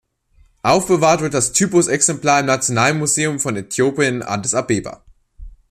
Aufbewahrt wird das Typusexemplar im Nationalmuseum von Äthiopien in Addis Abeba.